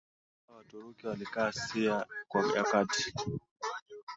kwa hatua Waturuki walikaa Asia ya Kati